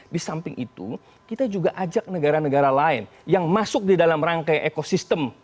di samping itu kita juga ajak negara negara lain yang masuk di dalam rangkai ekosistem